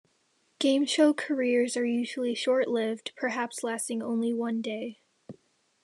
Game show careers are usually short-lived, perhaps lasting only one day.